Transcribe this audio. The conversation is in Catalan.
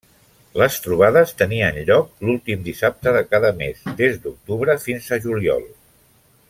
Les trobades tenien lloc l'últim dissabte de cada mes, des d'octubre fins a juliol.